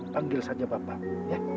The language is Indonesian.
panggil saja bapak ya